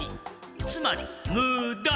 つまりムダ！